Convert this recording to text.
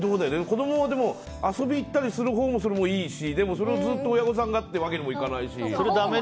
子供は遊びに行ったりするほうもいいしでも、ずっと親御さんがというわけにもいかないし。